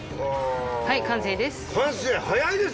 はい完成です。